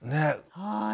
はい。